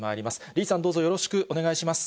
リーさん、どうぞよろしくお願いいたします。